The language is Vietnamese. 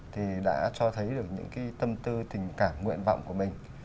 thì đã cho thấy được những cái tâm tư tình cảm nguyện vọng của mình